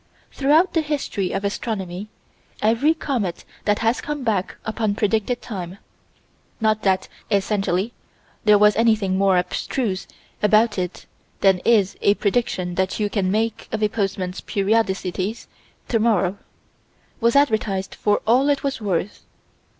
Throughout the history of astronomy, every comet that has come back upon predicted time not that, essentially, there was anything more abstruse about it than is a prediction that you can make of a postman's periodicities tomorrow was advertised for all it was worth.